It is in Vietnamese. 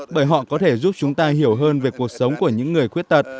bởi họ có thể giúp chúng ta hiểu hơn về cuộc sống của những người khuyết tật